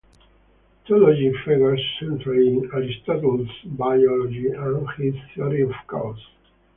Teleology figures centrally in Aristotle's biology and in his theory of causes.